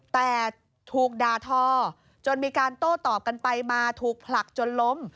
แต่ถูกด่าทอจนมีการโต้ตอบกันไปมาถูกผลักจนล้ม